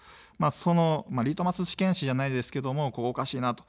そのリトマス試験紙じゃないですけど、ここおかしいなと。